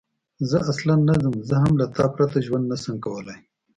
زه اصلاً نه ځم، زه هم له تا پرته ژوند نه شم کولای.